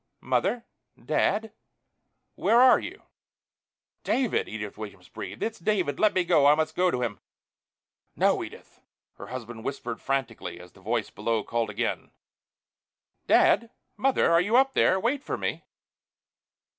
"Mother?... Dad?... Where are you?" "David!" Edith Williams breathed. "It's David! Let me go! I must go to him." "No, Edith!" her husband whispered frantically, as the voice below called again. "Dad?... Mother?... Are you up there? Wait for me."